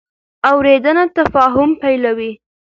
اورېدنه تفاهم پیلوي.